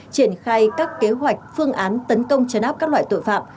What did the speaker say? triển khai các kế hoạch phương án tấn công chấn áp các loại tội phạm